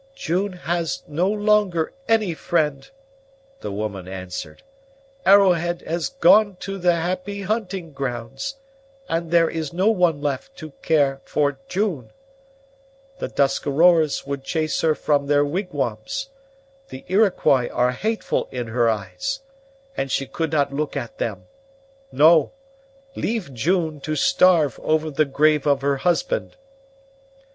"June has no longer any friend!" the woman answered. "Arrowhead has gone to the happy hunting grounds, and there is no one left to care for June. The Tuscaroras would chase her from their wigwams; the Iroquois are hateful in her eyes, and she could not look at them. No! Leave June to starve over the grave of her husband."